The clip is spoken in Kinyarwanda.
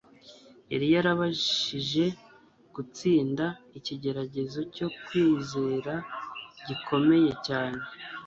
yari yarabashije gutsinda ikigeragezo cyo kwizera gikomeye cyane